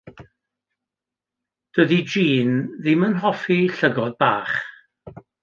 Dydi Jean ddim yn hoffi llygod bach.